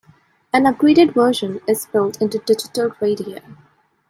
An upgraded version is built into digital radio.